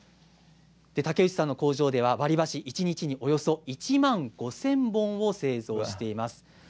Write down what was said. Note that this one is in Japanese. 竹内さんの工場では割り箸、一日におよそ１万５０００本を製造しています。